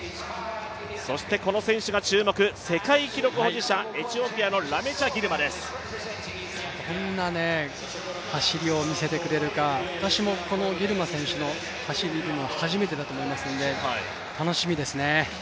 そしてこの選手が注目エチオピアのラメチャ・ギルマですどんな走りを見せてくれるか、私もこのギルマ選手の走りを見るのは初めてだと思いますので、楽しみですね。